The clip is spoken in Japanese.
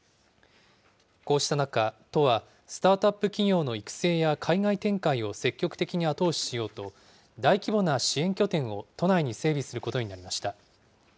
こうした中、都はスタートアップ企業の育成や海外展開を積極的に後押ししようと、大規模な支援拠点を都内に整備することになりました。